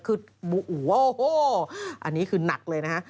คือโอ้โหอันนี้คือหนักเลยนะฮะ